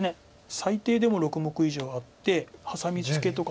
最低でも６目以上あってハサミツケとか